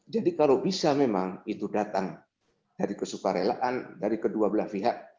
jadi kalau bisa memang itu datang dari kesukaan relaan dari kedua belah pihak